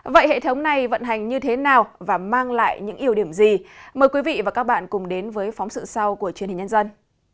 vậy hệ thống này vận hành như thế nào và mang lại những yêu điểm gì mời quý vị và các bạn cùng đến với phóng sự sau của truyền hình nhân dân